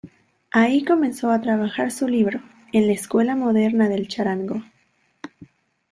Ahí comenzó a trabajar su libro "en La Escuela Moderna del Charango".